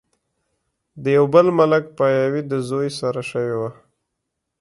د يو بل ملک پاياوي د زوي سره شوې وه